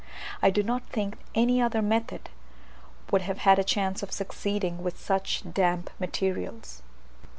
I do not think any other method would have had a chance of succeeding with such damp materials.